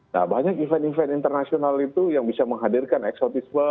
nah banyak event event internasional itu yang bisa menghadirkan eksotisme